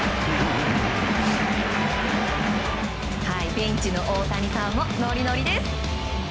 ベンチの大谷さんもノリノリです。